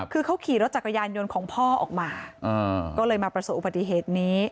คือเขาขี่รถจักรยานยนต์ของพ่อออกมาก็เลยมาประสบอุบัติเหตุนี้